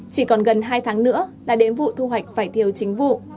chỉ còn gần hai tháng nữa là đến vụ thu hoạch vải thiều chính vụ